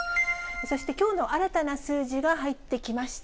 そしてきょうの新たな数字が入ってきました。